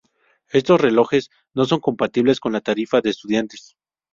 Estos relojes no son compatibles con la tarifa de estudiantes.